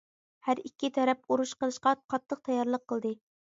ھەر ئىككى تەرەپ ئۇرۇش قىلىشقا قاتتىق تەييارلىق قىلدى.